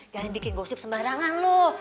jangan bikin gosip sembarangan loh